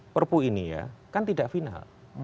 perpu ini ya kan tidak final